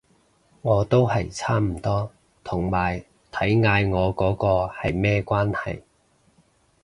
我都係差唔多，同埋睇嗌我嗰個係咩關係